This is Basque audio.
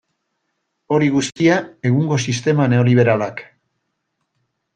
Hori guztia egungo sistema neoliberalak.